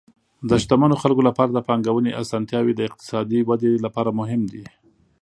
د شتمنو خلکو لپاره د پانګونې اسانتیاوې د اقتصادي ودې لپاره مهم دي.